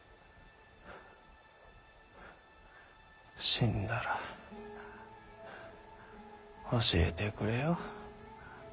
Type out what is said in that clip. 死んだら教えてくれよ。